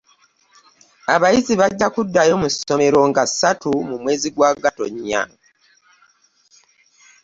Abayizi bajja kuddayo mu ssomero nga ssatu mu mwezi ogwa Gatonnya.